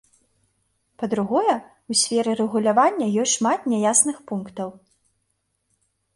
Па-другое, у сферы рэгулявання ёсць шмат няясных пунктаў.